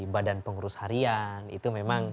badan pengurus harian itu memang